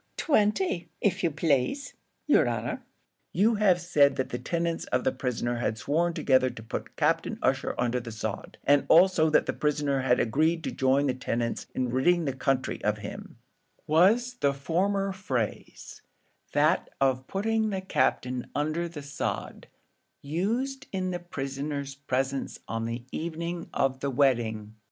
"Twenty, av you plaze, yer honour." "You have said that the tenants of the prisoner had sworn together to put Captain Ussher under the sod, and also that the prisoner had agreed to join the tenants in ridding the country of him; was the former phrase, that of putting the Captain under the sod, used in the prisoner's presence on the evening of the wedding?"